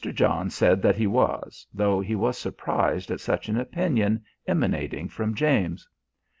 John said that he was, though he was surprised at such an opinion emanating from James.